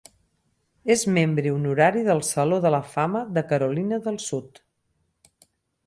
És membre honorari del saló de la fama de Carolina del Sud.